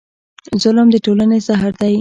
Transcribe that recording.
ظلم د ټولنې زهر دی.